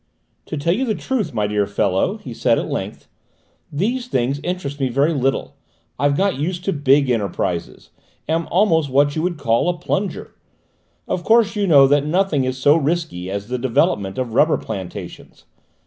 "To tell you the truth, my dear fellow," he said at length, "these things interest me very little; I've got used to big enterprises am almost what you would call a plunger. Of course you know that nothing is so risky as the development of rubber plantations.